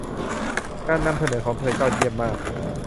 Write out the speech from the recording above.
การนำเสนอของเธอยอดเยี่ยมมาก